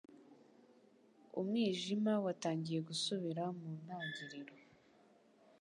Umwijima watangiye gusubira mu ntangiriro